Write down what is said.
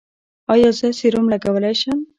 ایا زه سیروم لګولی شم؟